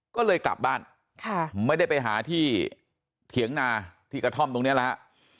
ก็เลยกลับบ้านไม่ได้ไปหาที่เถียงนาที่กระท่อมตรงนี้แล้วฮะ